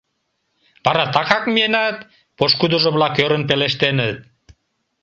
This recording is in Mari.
«Вара такак миенат?» — пошкудыжо-влак ӧрын пелештеныт.